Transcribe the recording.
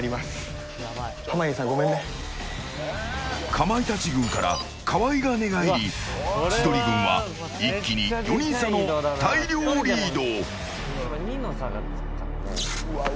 かまいたち軍から河合が寝返り千鳥軍は一気に４人差の大量リード。